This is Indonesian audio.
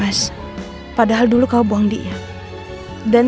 apakah yanglaugh chili